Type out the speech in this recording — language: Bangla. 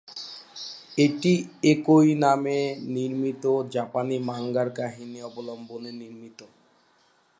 এটি একই নামে নির্মিত জাপানি মাঙ্গার কাহিনী অবলম্বনে নির্মিত।